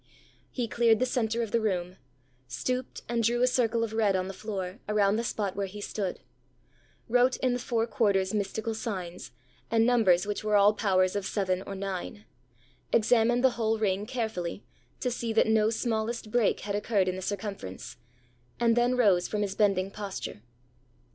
He cleared the centre of the room; stooped and drew a circle of red on the floor, around the spot where he stood; wrote in the four quarters mystical signs, and numbers which were all powers of seven or nine; examined the whole ring carefully, to see that no smallest break had occurred in the circumference; and then rose from his bending posture.